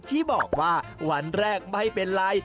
ที่บอกว่าวันแรกไม่เป็นไร